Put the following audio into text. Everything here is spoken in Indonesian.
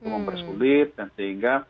mempersulit dan sehingga